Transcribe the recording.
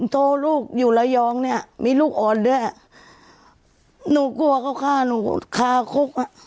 โตลูกอยู่ระยองเนี่ยมีลูกอ่อนด้วยอ่ะหนูกลัวเขาฆ่าหนูฆ่าคุกอ่ะ